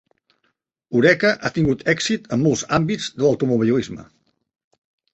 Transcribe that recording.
Oreca ha tingut èxit en molts àmbits de l'automobilisme.